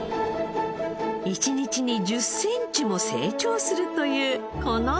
１日に１０センチも成長するというこの作物。